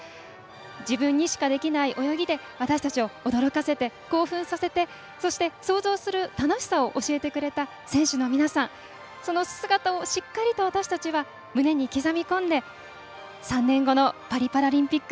自分にしかできない泳ぎで私たちを興奮させてそして、想像する楽しさを教えてくれた選手の皆さん、その姿をしっかりと私たちは胸に刻み込んで３年後のパリパラリンピック